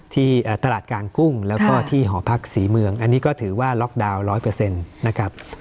ที่ตลาดการกุ้งแล้วก็ที่หอพักศรีเมืองอันนี้ก็ถือว่าล็อกดาวน์ร้อยเปอร์เซ็นต์นะครับ